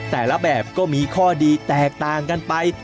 แต่ละแบบก็มีข้อดีแตกต่างกันไป